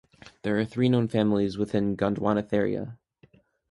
There are three known families within Gondwanatheria.